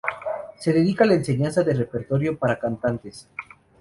Se dedica a la enseñanza de repertorio para cantantes.